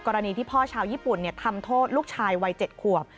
ที่พ่อชาวญี่ปุ่นทำโทษลูกชายวัย๗ขวบ